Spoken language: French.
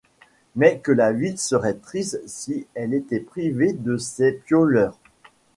Mais que la ville serait triste si elle était privée de ces piauleurs !